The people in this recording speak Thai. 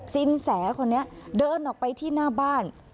สินแสคนนี้เดินออกไปที่หน้าบ้าน